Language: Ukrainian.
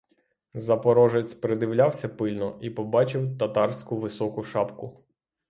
Запорожець придивлявся пильно і побачив татарську високу шапку.